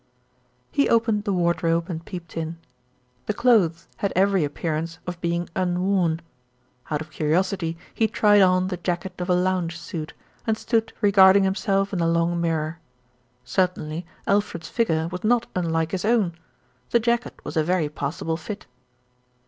He opened the wardrobe and peeped in. The clothes had every appearance of being unworn. Out of curi osity he tried on the jacket of a lounge suit, and stood regarding himself in the long mirror. Certainly Al fred's figure was not unlike his own. The jacket was a very passable fit.